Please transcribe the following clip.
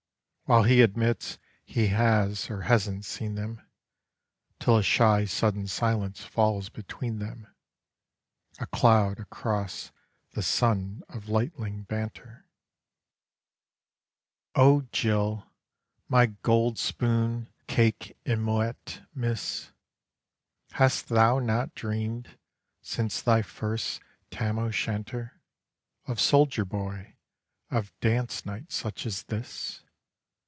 While he admits he has or hasn't seen them ... Till a shy sudden silence falls between them, A cloud across the sun of lightling banter. O Jill, my gold spoon cake and Moët miss! Hast thou not dreamed, since thy first tam o' shanter, Of soldier boy, of dance night such as this?